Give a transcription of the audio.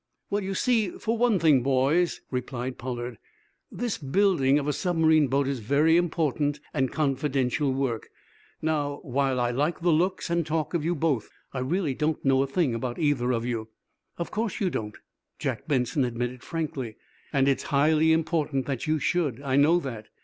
"Well, you see, for one thing, boys," replied Pollard, "this building of a submarine boat is very important and confidential work. Now, while I like the looks and talk of you both, I really don't know a thing about either of you." "Of course you don't," Jack Benson admitted, frankly. "And it's highly important that you should. I know that.